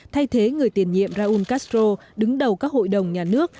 thay thế người tiền nhiệm raúl castro đứng đầu các hội đồng nhà nước